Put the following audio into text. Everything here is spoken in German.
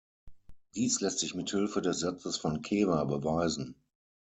Dies lässt sich mit Hilfe des Satzes von Ceva beweisen.